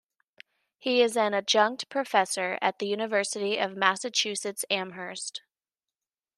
He is an adjunct professor at the University of Massachusetts Amherst.